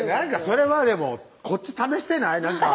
それはでもこっち試してない？